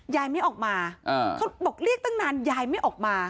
ยายไม่ออกมาเขาบอกเรียกตั้งนานยายไม่ออกมา